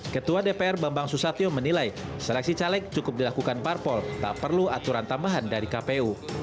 ketua dpr bambang susatyo menilai seleksi caleg cukup dilakukan parpol tak perlu aturan tambahan dari kpu